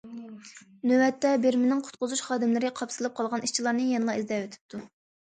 نۆۋەتتە، بېرمىنىڭ قۇتقۇزۇش خادىملىرى قاپسىلىپ قالغان ئىشچىلارنى يەنىلا ئىزدەۋېتىپتۇ.